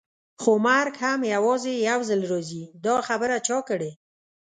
خو مرګ هم یوازې یو ځل راځي، دا خبره چا کړې؟